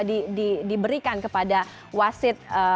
diberikan kepada wasit